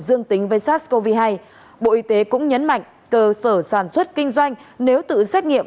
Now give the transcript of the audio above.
dương tính với sars cov hai bộ y tế cũng nhấn mạnh cơ sở sản xuất kinh doanh nếu tự xét nghiệm